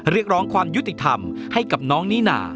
เรียกร้องความยุติธรรมให้กับน้องนิน่า